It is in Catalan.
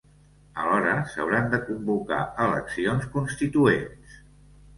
Alhora, s’hauran de convocar eleccions constituents.